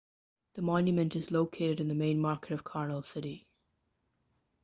The monument is located in the main market of Karnal City.